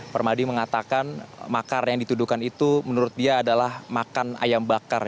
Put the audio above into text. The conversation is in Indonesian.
permadi mengatakan makar yang dituduhkan itu menurut dia adalah makan ayam bakar